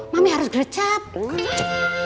mami harus geracet